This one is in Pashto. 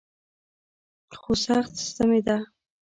خو سخت ستمېده.